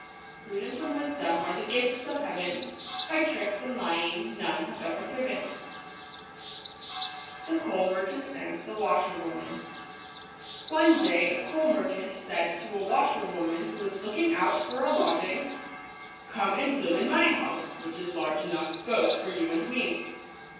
Prudence and wisdom are the gifts of Heaven ; By tricks and lying none have ever thriven. ®J>e anto tj )t Maftfrctooman* S NE day a co&l merchant said to a washerwoman who was looking out for a lodging, " Come and live in my house, which is large enough both for you and me."